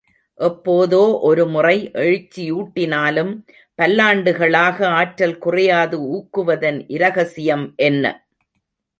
எப்போதோ ஒரு முறை எழுச்சியூட்டினாலும் பல்லாண்டுகளாக ஆற்றல் குறையாது ஊக்குவதன் இரகசியம் என்ன?